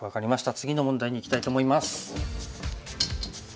次の問題にいきたいと思います。